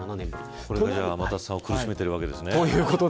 これが天達さんを苦しめているわけですね。